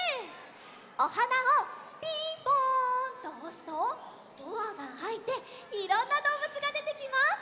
おはなを「ピンポン！」とおすとドアがあいていろんなどうぶつがでてきます！